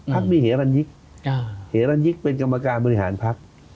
พรักษณ์มีเหรรันยิคเหรรันยิคเป็นกรรมการบริหารพรักษณ์